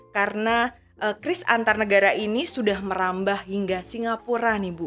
karena criss antar negara ini sudah merambah hingga singapura nih ibu